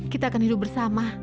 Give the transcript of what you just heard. kita akan hidup bersama